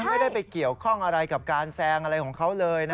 ไม่ได้ไปเกี่ยวข้องอะไรกับการแซงอะไรของเขาเลยนะ